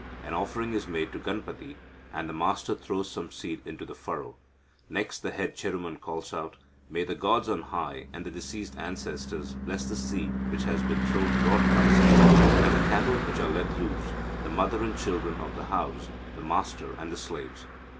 An offering is made to Ganapathi, and the master throws some seed into the furrow. Next the head Cheruman calls out, 'May the gods on high, and the deceased ancestors, bless the seed which has been thrown broadcast, and the cattle which are let loose, the mother and children of the house, the master and the slaves.